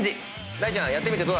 大ちゃんやってみてどう？